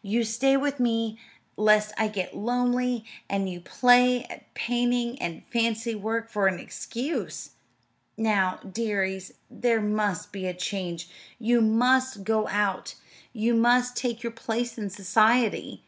You stay with me lest I get lonely; and you play at painting and fancy work for an excuse. Now, dearies, there must be a change. You must go out. You must take your place in society.